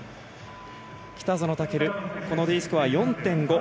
北園丈琉、Ｄスコア４．５。